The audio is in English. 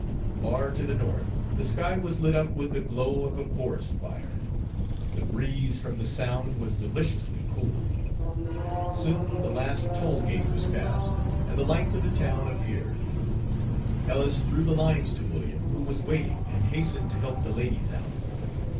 Far to the north the sky was lit up with the glow of a forest fire. The breeze from the Sound was deliciously cool. Soon the last toll gate was passed and the lights of the town appeared. Ellis threw the lines to William, who was waiting, and hastened to help the ladies out.